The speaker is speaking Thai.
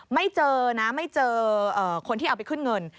ไม่เจอนะไม่เจอคนที่เอาไปขึ้นเงิน